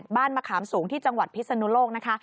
บ้านมะขามสูงที่จังหวัดพิษนุโลก